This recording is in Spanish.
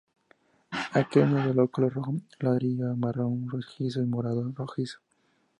Aquenios de color rojo-ladrillo a marrón-rojizo o morado-rojizo.